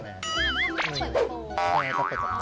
สวัสดีครับมาเจอกับแฟแล้วนะครับ